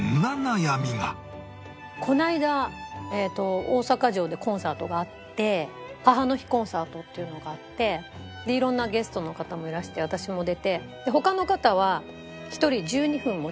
この間大阪城でコンサートがあって「母の日コンサート」っていうのがあっていろんなゲストの方もいらして私も出て他の方は。